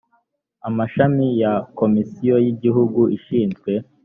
amashami ya komisiyo y igihugu ishinzwe